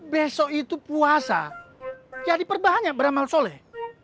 besok itu puasa jadi perbanyak beramal soleh